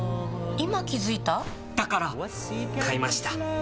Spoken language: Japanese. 今気付いた？だから！買いました。